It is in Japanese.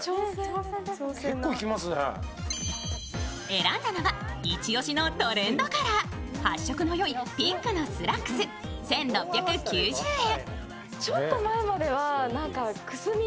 選んだのは、イチオシのトレンドカラー、発色のよいピンクのスラックス１６９０円。